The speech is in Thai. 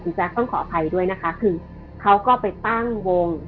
แจ๊คต้องขออภัยด้วยนะคะคือเขาก็ไปตั้งวง